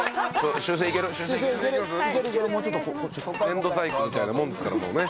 粘土細工みたいなもんですからもうね。